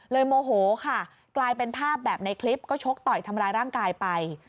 โมโหค่ะกลายเป็นภาพแบบในคลิปก็ชกต่อยทำร้ายร่างกายไป